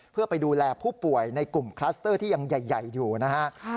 เพื่อไปดูแลผู้ป่วยในกลุ่มคลัสเตอร์ที่ยังใหญ่อยู่นะฮะ